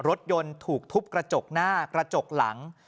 รถยนต์ถูกทุบกระจกหน้ากระจกหลัง